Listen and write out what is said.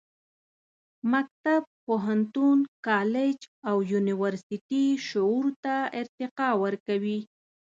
مکتب، پوهنتون، کالج او یونیورسټي شعور ته ارتقا ورکوي.